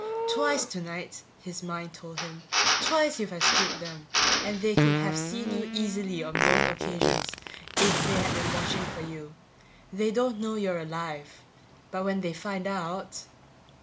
Twice tonight, his mind told him, twice you've escaped them and they could have seen you easily on both occasions if they had been watching for you. They don't know you're alive. But when they find out